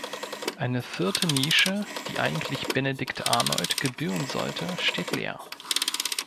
Eine vierte Nische, die eigentlich Benedict Arnold gebühren sollte, steht leer.